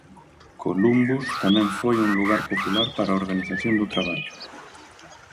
Columbus tamén foi un lugar popular para a organización do traballo.